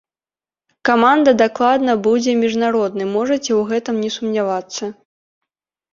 Каманда дакладна будзе міжнароднай, можаце ў гэтым не сумнявацца.